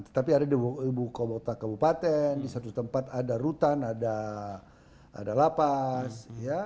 tetapi ada di ibu kota kabupaten di satu tempat ada rutan ada lapas